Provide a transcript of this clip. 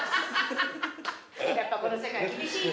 やっぱこの世界厳しいな。